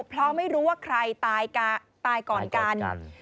เพราะไม่รู้ว่าใครตายก่อนกัน